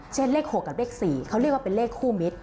เลข๖กับเลข๔เขาเรียกว่าเป็นเลขคู่มิตร